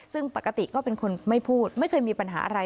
ซึ่งปกติก็เป็นคนไม่พูดไม่เคยมีปัญหาอะไร